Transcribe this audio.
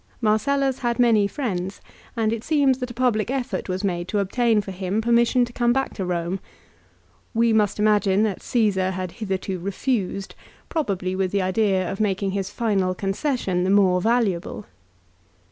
Marcellus had many friends, and it seems that a public effort was made to obtain for him permission to come back to Borne. We must imagine that Caesar had hitherto refused, probably with the idea of making his final concession the more valuable.